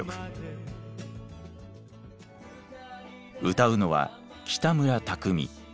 歌うのは北村匠海。